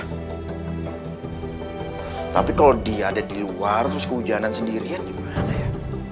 hai tapi kalau dia ada di luar terus hujanan sendirian gimana ya